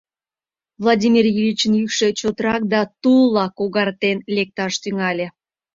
Владимир Ильичын йӱкшӧ чотрак да тулла когартен лекташ тӱҥале.